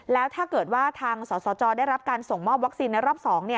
แล้วถ้าเกิดว่าทางสสจได้รับการส่งมอบวัคซีนในรอบ๒